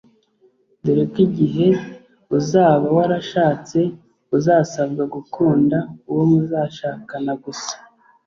dore ko igihe uzaba warashatse uzasabwa gukunda uwo muzashakana gusa